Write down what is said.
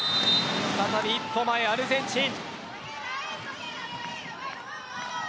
再び一歩前、アルゼンチン。